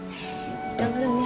頑張ろうね。